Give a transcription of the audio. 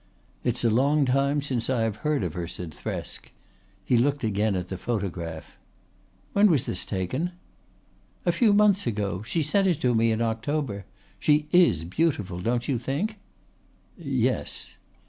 "It's a long time since I have heard of her," said Thresk. He looked again at the photograph. "When was this taken?" "A few months ago. She sent it to me in October. She is beautiful, don't you think?" "Yes."